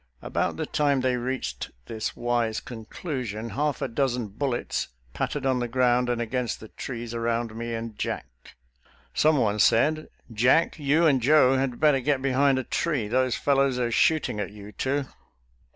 About the time they reached this wise conclusion, half a dozen bullets pattered on the ground and against the trees around me and Jack. Someone said, " Jack, you and Joe had better get behind a tree; those fel lows are shooting at you two.""